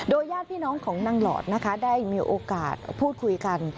ญาติพี่น้องของนางหลอดนะคะได้มีโอกาสพูดคุยกัน